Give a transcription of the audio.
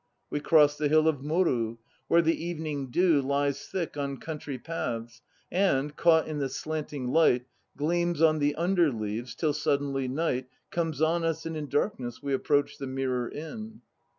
We cross the hill of Moru, where the evening dew Lies thick on country paths and, caught in the slanting light, Gleams on the under leaves till suddenly night Comes on us and in darkness we approach The Mirror Inn.